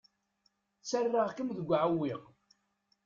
Ttarraɣ-kem deg uɛewwiq.